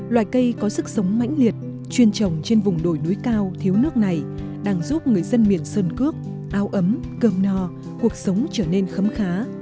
loài cây có sức sống mãnh liệt chuyên trồng trên vùng đồi núi cao thiếu nước này đang giúp người dân miền sơn cước ao ấm cơm no cuộc sống trở nên khấm khá